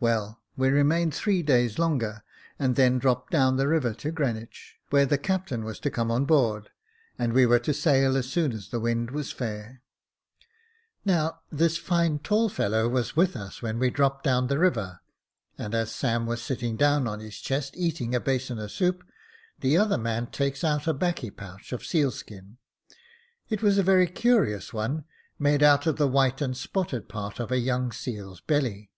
Well, we remained three days longer, and then dropped down the river to Greenwich, where the captain was to come on board, and we were to sail as soon as the wind was fair. Now, this fine tall fellow was with us when we dropped down the river, and as Sam was sitting down on his chest eating a basin o' soup, the other man takes out a 'baccy pouch of seal skin ;— it was a very curious one, made out of the white and spotted part of a young seal's belly.